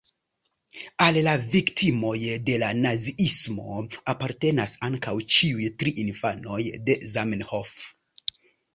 Al la viktimoj de la naziismo apartenas ankaŭ ĉiuj tri infanoj de Zamenhof.